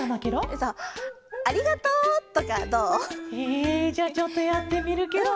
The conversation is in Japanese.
えじゃあちょっとやってみるケロ。